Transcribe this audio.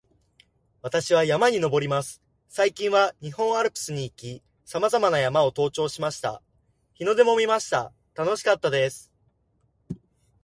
私は山に登ります。最近は日本アルプスに行き、さまざまな山を登頂しました。日の出も見ました。楽しかったです